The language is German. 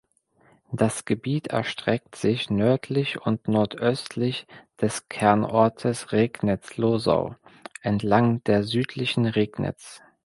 Das Gebiet erstreckt sich nördlich und nordöstlich des Kernortes Regnitzlosau entlang der Südlichen Regnitz.